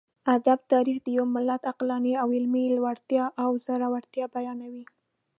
ادب تاريخ د يوه ملت عقلاني او علمي لوړتيا او ځوړتيا بيانوي.